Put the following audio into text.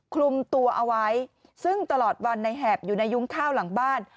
คลุมตัวเอาไว้ซึ่งตลอดวันในแหบอยู่ในยุ้งข้าวหลังบ้าน